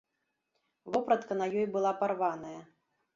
Вопратка на ёй была парваная.